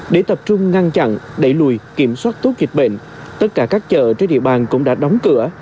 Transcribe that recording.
để tập trung ngăn chặn đẩy lùi kiểm soát tốt dịch bệnh tất cả các chợ trên địa bàn cũng đã đóng cửa